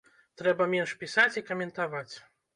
Трэба менш пісаць і каментаваць.